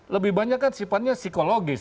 lebih banyak sifatnya psikologis